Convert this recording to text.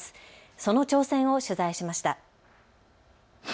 その挑戦を取材しました。